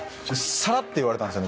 サラッて言われたんですよね。